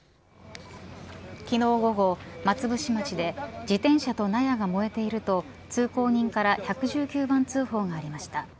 昨日午後、松伏町で自転車と納屋が燃えていると通行人から１１９番通報がありました。